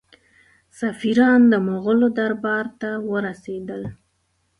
سفیران د مغولو دربار ته ورسېدل.